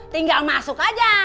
tinggal masuk aja